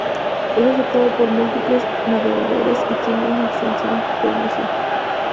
Es aceptado por múltiples navegadores y tiene extensión ".png".